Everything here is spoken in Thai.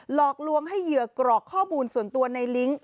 หลอกลวงให้เหยื่อกรอกข้อมูลส่วนตัวในลิงก์